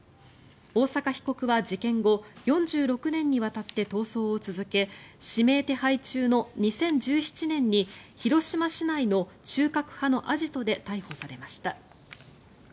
大坂被告は事件後４６年にわたって逃走を続け指名手配中の２０１７年に広島市内の中核派のアジトで逮捕されました。